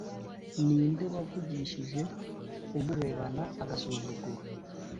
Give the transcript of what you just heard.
Ni nde wavugishije umurebana agasuzuguro?